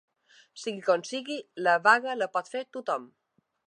Sigui com sigui, la vaga la pot fer tothom.